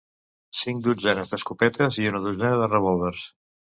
Cinc dotzenes d'escopetes i una dotzena de revòlvers.